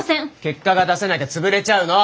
結果が出せなきゃ潰れちゃうの。